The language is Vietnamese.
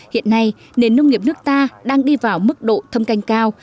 hiện nay nền nông nghiệp nước ta đang đi vào mức độ thâm canh cao